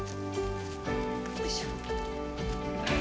よいしょ。